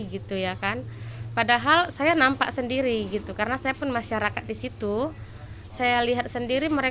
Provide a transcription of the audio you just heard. jadi udah pembinaannya lebih spesifik sebagai hal khusus warna merah